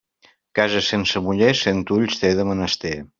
Casa sense muller, cent ulls té de menester.